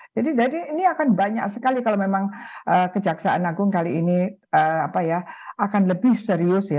jadi ini akan banyak sekali kalau memang kejaksaan agung kali ini akan lebih serius